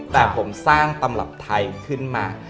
แต่ผมสร้างตำรับไทยขึ้นมา